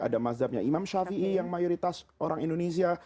ada madhabnya imam shafiei yang mayoritas orang indonesia